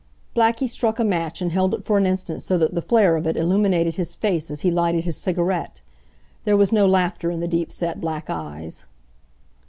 Blackie struck a match and held it for an instant so that the flare of it illuminated his face as he lighted his cigarette. There was no laughter in the deep set black eyes.